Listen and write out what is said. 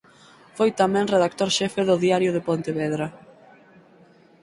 Foi tamén redactor xefe do "Diario de Pontevedra".